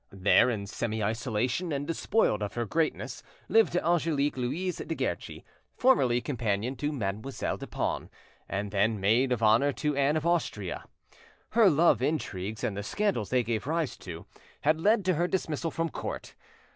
There in semi isolation and despoiled of her greatness lived Angelique Louise de Guerchi, formerly companion to Mademoiselle de Pons and then maid of honour to Anne of Austria. Her love intrigues and the scandals they gave rise to had led to her dismissal from court.